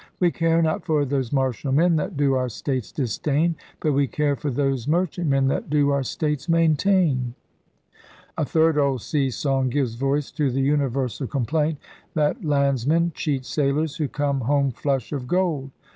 We care not for those Martial men that do our states disdain. But we care for those Merchant men that do our states maintain. A third old sea song gives voice to the universal complaint that landsmen cheat sailors who come home flush of gold.